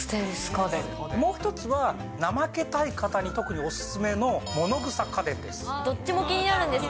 もう１つは、怠けたい方に特にお勧めのものぐさ家電です。